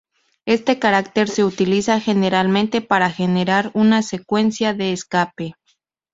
Este carácter se utiliza generalmente para generar una secuencia de escape.